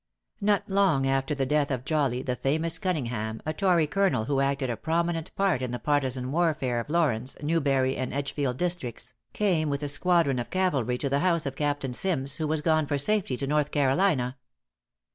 Not long after the death of Jolly, the famous Cunningham, a tory colonel who acted a prominent part in the partisan warfare of Laurens, Newberry, and Edgefield districts, came with a squadron of cavalry to the house of Captain Sims, who was gone for safety to North Carolina.